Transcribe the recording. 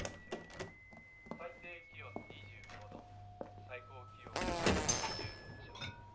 「最低気温２５度最高気温」。